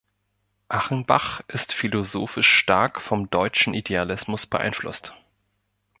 Achenbach ist philosophisch stark vom Deutschen Idealismus beeinflusst.